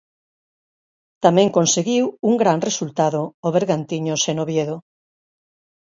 Tamén conseguiu un gran resultado o Bergantiños en Oviedo.